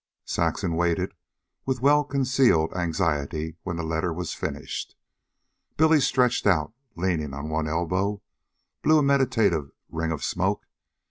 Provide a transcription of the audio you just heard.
Saxon waited with well concealed anxiety when the letter was finished. Billy, stretched out, leaning on one elbow, blew a meditative ring of smoke.